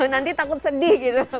nanti takut sedih gitu